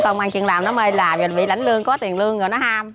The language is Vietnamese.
công an chuyện làm nó mê làm bị lãnh lương có tiền lương rồi nó ham